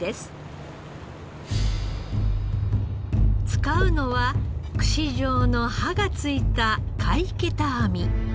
使うのはくし状の歯が付いた貝桁網。